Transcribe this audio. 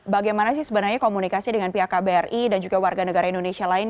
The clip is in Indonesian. bagaimana sih sebenarnya komunikasi dengan pihak kbri dan juga warga negara indonesia lain